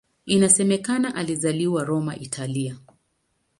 Inasemekana alizaliwa Roma, Italia.